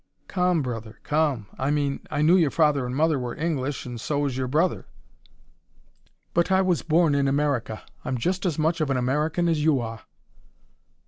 "Calm, brother, calm! I mean, I knew your father and mother were English, and so was your brother." "But I was born in America. I'm just as much of an American as you are!"